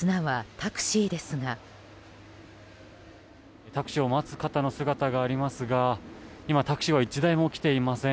タクシーを待つ方の姿がありますが今、タクシーは１台も来ていません。